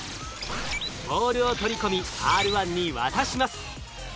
ボールを取り込みＲ１に渡します。